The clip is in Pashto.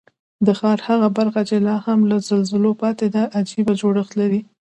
د ښار هغه برخه چې لا هم له زلزلو پاتې ده، عجیب جوړښت لري.